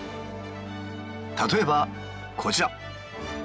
例えばこちら。